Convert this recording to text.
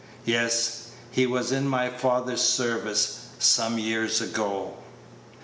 "Yes; he was in my father's service some years ago."